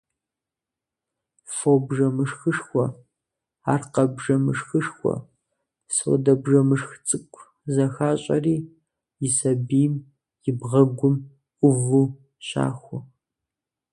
Фо бжэмышхышхуэ, аркъэ бжэмышхышхуэ, содэ бжэмышх цӀыкӀу зэхащӀэри и сабийм и бгъэгум Ӏуву щахуэ.